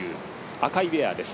赤いウエアです。